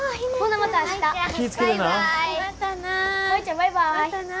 またな。